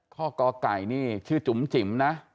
กอไก่นี่ชื่อจุ๋มจิ๋มนะ